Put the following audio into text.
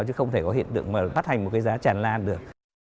chứ không thể có hiện tượng bắt hành một giá tràn lan được